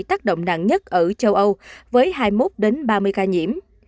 tác động nặng nhất ở châu âu với hai mươi một ba mươi ca nhiễm